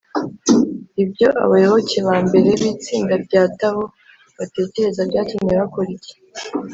ibyo abayoboke ba mbere b’itsinda rya tao batekerezaga byatumye bakora iki,